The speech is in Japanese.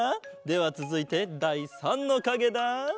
ではつづいてだい３のかげだ。